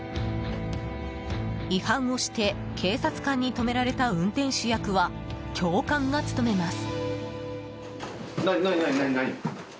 違反をして警察官に止められた運転手役は教官が務めます。